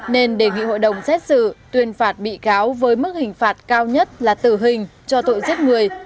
nên đề nghị hội đồng xét xử tuyên phạt bị cáo với mức hình phạt cao nhất là tử hình cho tội giết người